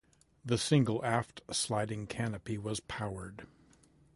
The single aft-sliding canopy was powered.